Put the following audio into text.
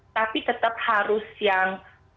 tapi tetap harus yang